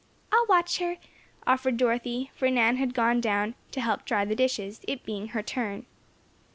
"I'll watch her," offered Dorothy, for Nan had gone down to help dry the dishes, it being her "turn."